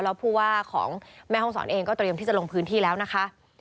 แล้วผู้ว่าของแม่ห้องศรเองก็เตรียมที่จะลงพื้นที่แล้วนะคะ